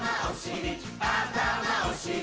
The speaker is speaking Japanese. あたまおしり